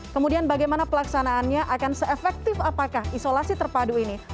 kemudian bagaimana pelaksanaannya akan se efektif apakah isolasi terpadu ini